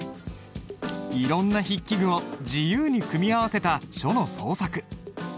いろんな筆記具を自由に組み合わせた書の創作。